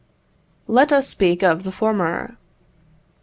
Let us speak of the former.